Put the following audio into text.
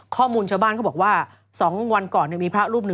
ข้อมูลชาวบ้านเขาบอกว่า๒วันก่อนมีพระรูปหนึ่ง